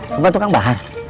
bukan tukang bahan